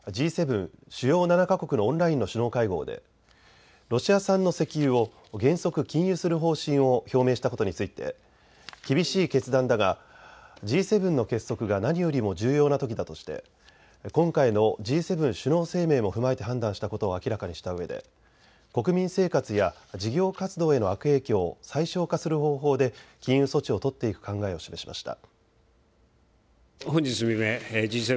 主要７か国のオンラインの首脳会合でロシア産の石油を原則禁輸する方針を表明したことについて厳しい決断だがＧ７の結束が何よりも重要なときだとして今回のＧ７首脳声明も踏まえて判断したことを明らかにしたうえで国民生活や事業活動への悪影響を最小化する方法で禁輸措置を取っていく考えを示しました。